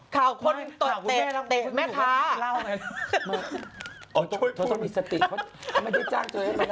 ข่าวข่าวคนตกเตะแม่ท้า